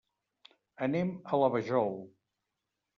Anem a la Vajol.